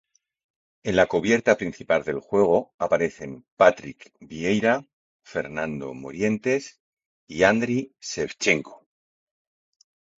En la cubierta principal del juego aparecen Patrick Vieira, Fernando Morientes y Andriy Shevchenko.